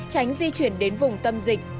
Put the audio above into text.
tránh di chuyển đến vùng tâm dịch